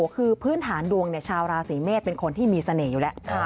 คือพื้นฐานดวงชาวราศีเมษเป็นคนที่มีเสน่ห์อยู่แล้ว